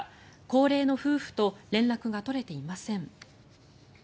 高齢の夫婦と連絡が取れていません。